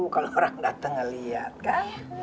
kalau orang datang ngeliat kan